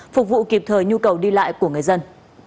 phục vụ kịp thời nhu cầu đi lại của người dân